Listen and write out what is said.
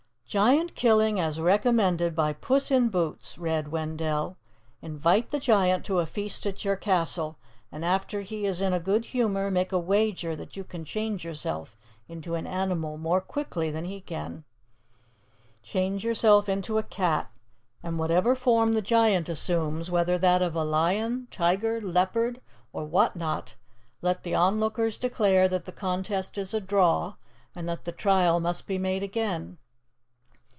"'Giant killing as recommended by Puss in Boots,'" read Wendell. "'Invite the giant to a feast at your castle, and after he is in a good humor, make a wager that you can change yourself into an animal more quickly than he can. Change yourself into a cat; and whatever form the giant assumes, whether that of lion, tiger, leopard, or what not, let the onlookers declare that the contest is a draw and that the trial must be made again.